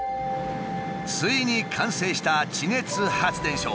ついに完成した地熱発電所。